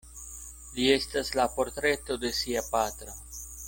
Li estas la portreto de sia patro.